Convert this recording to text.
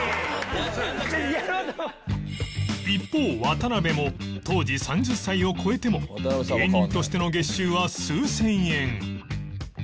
一方渡辺も当時３０歳を超えても芸人としての月収は数千円